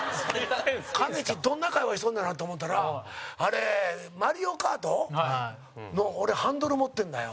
かねちー、どんな会話しとるんかなと思ったら「『マリオカート』の俺、ハンドル持ってるんだよ」。